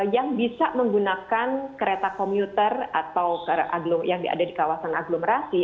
yang bisa menggunakan kereta komuter atau yang ada di kawasan aglomerasi